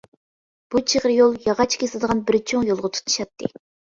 بۇ چىغىر يول ياغاچ كېسىدىغان بىر چوڭ يولغا تۇتىشاتتى.